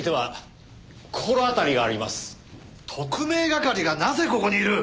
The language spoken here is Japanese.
特命係がなぜここにいる？